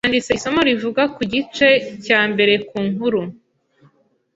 yanditse isomo rivuga kuigice cya mbere kunkuru